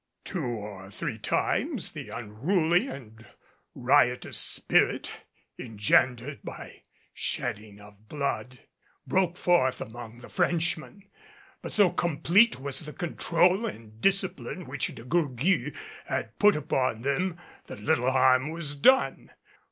Two or three times the unruly and riotous spirit, engendered by shedding of blood, broke forth among the Frenchmen; but so complete was the control and discipline which De Gourgues had put upon them that little harm was done.